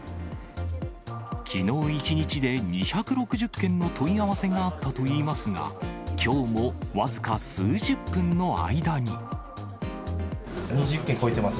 きのう１日で、２６０件の問い合わせがあったといいますが、２０件超えてます。